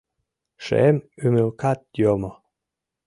Шем ӱмылкат йомо.